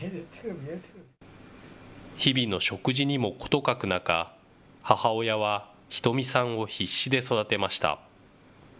日々の食事にも事欠く中、母親は瞳さんを必死で育てました。